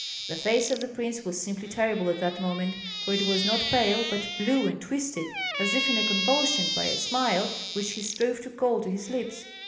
The face of the prince was simply terrible at that moment, for it was not pale, but blue and twisted, as if in a convulsion, by a smile which he strove to call to his lips.